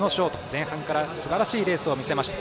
前半からすばらしいレースを見せました。